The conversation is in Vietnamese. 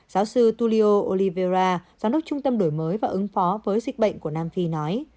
giáo sư tulio olivera giám đốc trung tâm đổi mới và ứng phó với dịch bệnh của nam phi nói